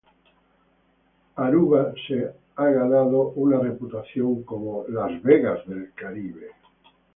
Aruba se ha ganado una reputación como "Las Vegas del Caribe.